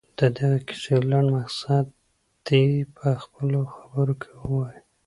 د دغې کیسې لنډ مقصد دې په خپلو خبرو کې ووايي.